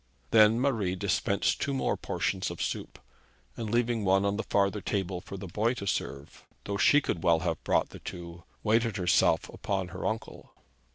Then Marie dispensed two more portions of soup, and leaving one on the farther table for the boy to serve, though she could well have brought the two, waited herself upon her uncle.